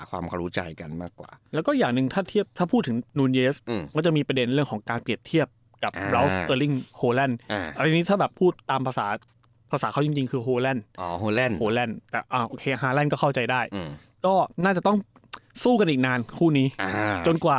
วนอยู่คนเดียวแหละจะไม่เหมือนมาเน่ที่จับจะรู้ว่า